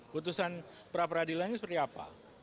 putusan pra peradilan itu seperti apa